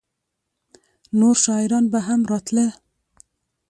نور شاعران به هم راتله؟